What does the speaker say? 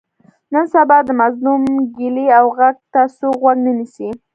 نن سبا د مظلوم ګیلې او غږ ته څوک غوږ نه نیسي.